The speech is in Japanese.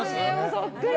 そっくり。